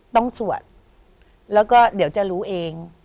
สวดแล้วก็เดี๋ยวจะรู้เอง